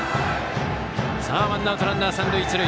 ワンアウト、ランナー、三塁一塁。